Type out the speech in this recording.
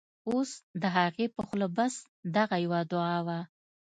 اوس د هغې په خوله بس، دغه یوه دعاوه